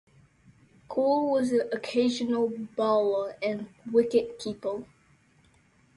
Poole was an occasional bowler and wicket-keeper.